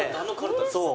そう。